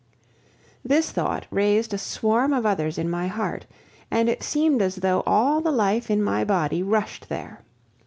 This thought raised a swarm of others in my heart, and it seemed as though all the life in my body rushed there.